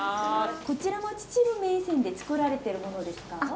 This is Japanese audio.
こちらも秩父銘仙で作られてるものですか？